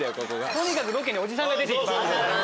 とにかくロケにおじさんが出ていく番組です。